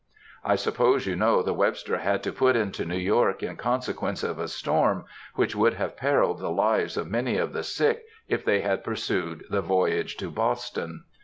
I suppose you know the Webster had to put into New York in consequence of a storm, which would have perilled the lives of many of the sick if they had pursued the voyage to Boston.